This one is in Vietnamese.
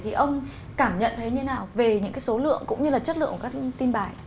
thì ông cảm nhận thấy như thế nào về những cái số lượng cũng như là chất lượng của các tin bài